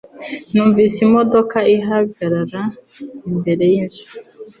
Numvise imodoka ihagarara imbere yinzu